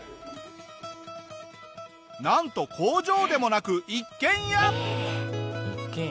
なんと工場でもなく一軒家！